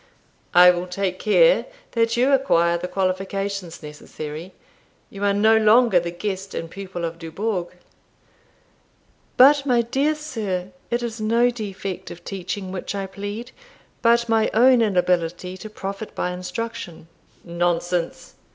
"I will take care that you acquire the qualifications necessary. You are no longer the guest and pupil of Dubourg." "But, my dear sir, it is no defect of teaching which I plead, but my own inability to profit by instruction." "Nonsense.